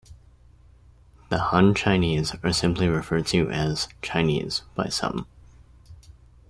The "Han Chinese" are simply referred to as "Chinese" by some.